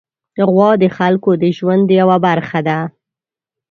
غوا د خلکو د ژوند یوه برخه ده.